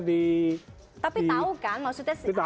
di tapi tau kan maksudnya